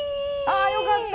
あよかった！